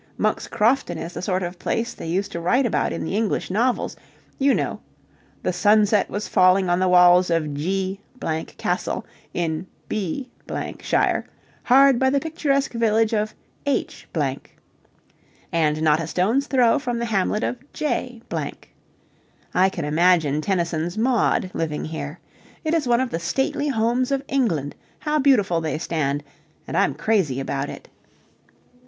Monk's Crofton is the sort of place they used to write about in the English novels. You know. "The sunset was falling on the walls of G Castle, in B shire, hard by the picturesque village of H , and not a stone's throw from the hamlet of J ." I can imagine Tennyson's Maud living here. It is one of the stately homes of England; how beautiful they stand, and I'm crazy about it.